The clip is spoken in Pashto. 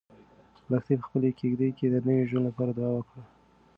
لښتې په خپلې کيږدۍ کې د نوي ژوند لپاره دعا وکړه.